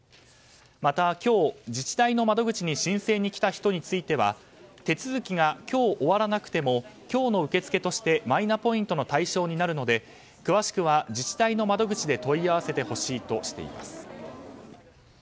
また今日、自治体の窓口に申請に来た人については手続きが今日終わらなくても今日の受け付けとしてマイナポイントの対象になるので詳しくは自治体の窓口で問い合わせてほしいとしています。